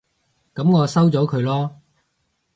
噉我收咗佢囉